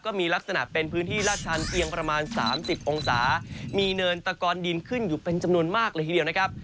ก็มีลักษณะเป็นพื้นที่ลาดชันเพียงประมาณ๓๐องศามีเนินตะกอนดินขึ้นอยู่เป็นจำนวนมากเลยทีเดียวนะครับ